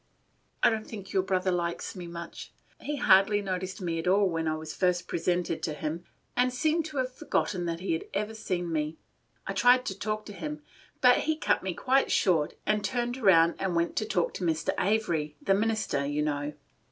"I don't think your brother likes me much. He hardly noticed me at all when I was first presented to him, and seemed to have forgotten that he had ever seen me. I tried to talk to him, but he cut me quite short, and turned round and went to talking to Mr. Avery, the minister, you know.